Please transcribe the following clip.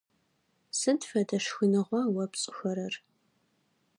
Сыд фэдэ шхыныгъуа о пшӏыхэрэр?